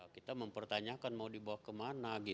kita mempertanyakan mau dibawa kemana